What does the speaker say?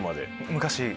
昔？